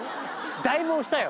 だいぶ押したよ。